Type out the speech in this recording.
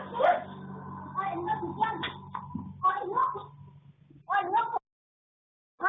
อยู่ในนี่